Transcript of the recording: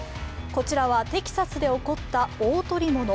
こちらはテキサスで起こった大捕り物。